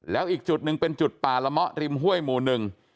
แล้วอีกจุดหนึ่งเป็นจุดป่าละมะริมห้วยหมู่หนึ่ง